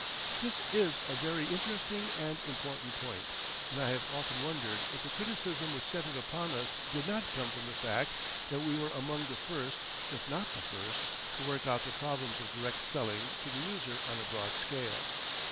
This is a very interesting and important point, and I have often wondered if the criticism which centred upon us did not come from the fact that we were among the first, if not the first, to work out the problems of direct selling to the user on a broad scale.